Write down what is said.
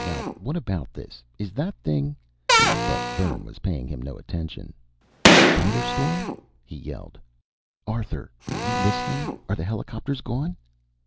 Now what about this? Is that thing " But Vern was paying him no attention. "Thunderstorm?" he yelled. "Arthur, you listening? Are the helicopters gone?"